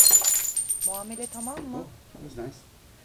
Muamele tamam mı?